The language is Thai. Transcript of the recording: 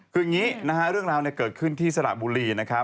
คืออย่างนี้เรื่องราวเกิดขึ้นที่สระบุรี